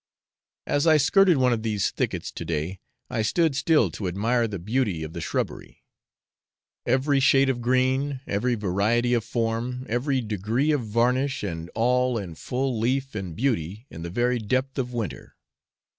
As I skirted one of these thickets to day, I stood still to admire the beauty of the shrubbery. Every shade of green, every variety of form, every degree of varnish, and all in full leaf and beauty in the very depth of winter.